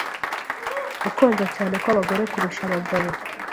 gukonja cyane kw’abagore kurusha abagabo